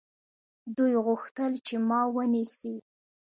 دوی غوښتل چې ما ونیسي.